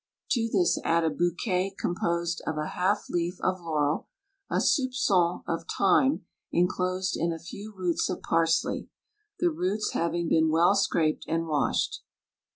To this add a bouquet composed of a half leaf of laurel, a soupgon of thyme enclosed in a few roots of parsley, the roots hav ing been well scraped and washed.